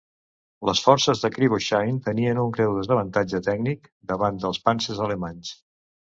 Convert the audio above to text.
Les forces de Krivoshein tenien un greu desavantatge tècnic davant dels panzers alemanys.